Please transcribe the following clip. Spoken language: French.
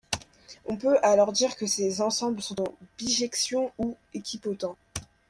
On peut alors dire que ces ensembles sont en bijection, ou équipotents.